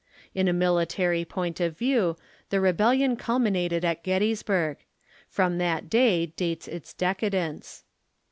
In a military point of view, the rebellion culminated at Gettysburg ; from that day dates its decadence.